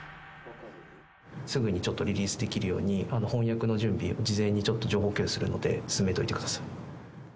すぐにちょっとリリースできるように、翻訳の準備を、事前にちょっと情報共有するので、進めといてください。